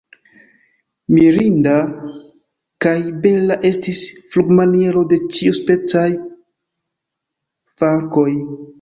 Mirinda kaj bela estis flugmaniero de ĉiuspecaj falkoj.